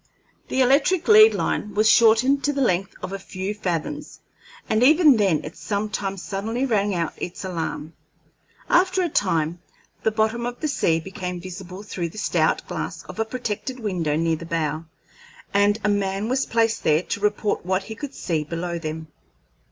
The electric lead line was shortened to the length of a few fathoms, and even then it sometimes suddenly rang out its alarm. After a time the bottom of the sea became visible through the stout glass of a protected window near the bow, and a man was placed there to report what he could see below them.